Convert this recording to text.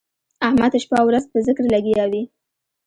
احمد شپه او ورځ په ذکر لګیا وي.